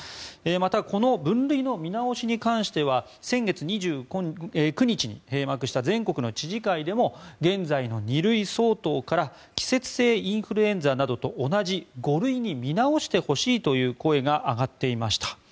また、この分類の見直しに関しては先月２９日に閉幕した全国の知事会でも現在の２類相当から季節性インフルエンザなどと同じ５類に見直してほしいという声が上がっていました。